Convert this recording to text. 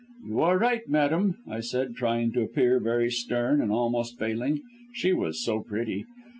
"'You are right, madam,' I said, trying to appear very stern and almost failing, she was so pretty.